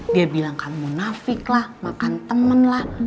dia bilang kamu nafik lah makan temen lah